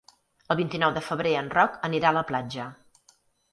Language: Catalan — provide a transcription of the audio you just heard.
El vint-i-nou de febrer en Roc anirà a la platja.